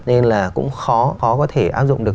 nên là cũng khó có thể áp dụng được